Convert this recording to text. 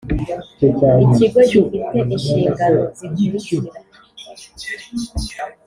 Ikigo gifite inshingano zikurikira